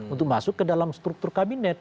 untuk masuk ke dalam struktur kabinet